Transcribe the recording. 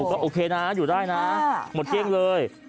โอ้โอเคน่ะหยุดเล่น่ะหมดเกียรติเลย